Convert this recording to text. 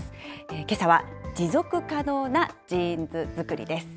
けさは、持続可能なジーンズ作りです。